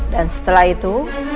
dan setelah itu